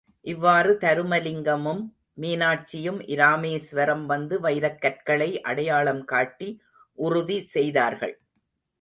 இவ்வாறு தருமலிங்கமும், மீனாட்சியும் இராமேஸ்வரம் வந்து, வைரக்கற்களை அடையாளம் காட்டி உறுதி செய்தார்கள்.